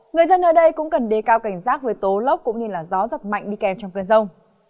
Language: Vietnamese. người dân ở đây cũng cần đề cao cảnh giác với tố lốc cũng như gió giật mạnh đi kèm trong cơn rông